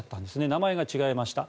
名前が違いました。